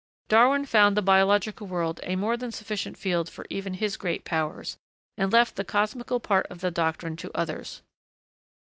Darwin found the biological world a more than sufficient field for even his great powers, and left the cosmical part of the doctrine to others.